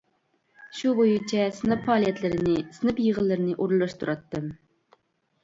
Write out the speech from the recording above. شۇ بويىچە سىنىپ پائالىيەتلىرىنى، سىنىپ يىغىنلىرىنى ئورۇنلاشتۇراتتىم.